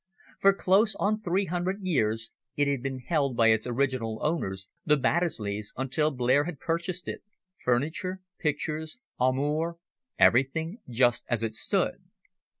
For close on three hundred years it had been held by its original owners, the Baddesleys, until Blair had purchased it furniture, pictures, armour, everything just as it stood.